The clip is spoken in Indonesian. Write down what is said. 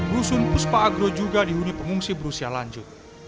rusun puspa agro juga dihuni pengungsi berusia lanjut